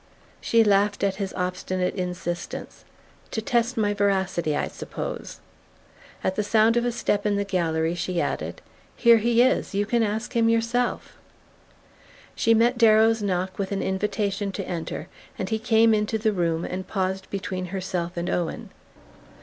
She laughed at his obstinate insistence. "To test my veracity, I suppose?" At the sound of a step in the gallery she added: "Here he is you can ask him yourself." She met Darrow's knock with an invitation to enter, and he came into the room and paused between herself and Owen.